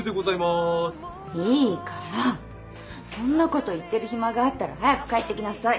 そんなこと言ってる暇があったら早く帰って来なさい。